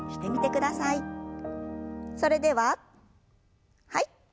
それでははい。